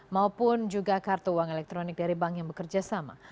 maupun juga kartu uang elektronik dari bank yang bekerja sama